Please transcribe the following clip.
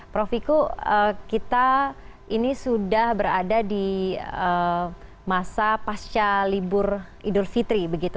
prof wiku kita ini sudah berada di masa pasca libur idul fitri begitu